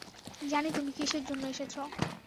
জানি তুমি কিসের জন্য এসেছ।